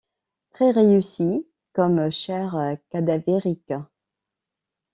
Très réussi comme chair cadavérique.